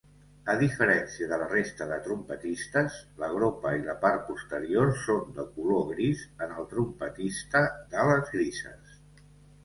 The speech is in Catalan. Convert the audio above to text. A diferència de la resta de trompetistes, la gropa i la part posterior són de color gris en el trompetista d'ales grises.